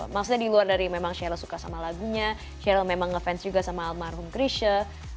maksudnya di luar dari memang sherl suka sama lagunya sherl memang ngefans juga sama almarhum grisha